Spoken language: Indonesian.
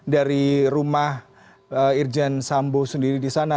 dari rumah irjen sambo sendiri di sana